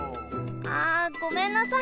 あごめんなさい！